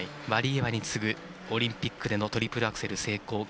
ワリエワに次ぐオリンピックでのトリプルアクセル成功。